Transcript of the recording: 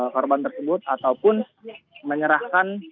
korban tersebut ataupun menyerahkan